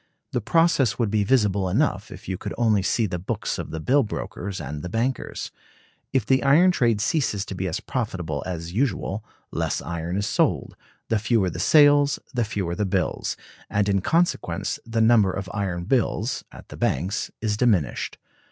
The process would be visible enough if you could only see the books of the bill brokers and the bankers. If the iron trade ceases to be as profitable as usual, less iron is sold; the fewer the sales the fewer the bills; and in consequence the number of iron bills [at the banks] is diminished.